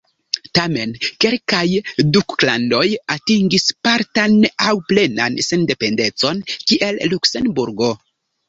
Tamen kelkaj duklandoj atingis partan aŭ plenan sendependecon, kiel Luksemburgo.